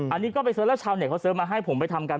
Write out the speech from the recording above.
อันนี้ก็ไปเสิร์ชแล้วชาวเน็ตเขาเสิร์ฟมาให้ผมไปทำกัน